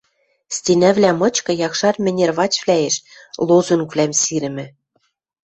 Стенӓвлӓ мычкы якшар мӹнервачвлӓэш лозунгвлӓм сирӹмӹ.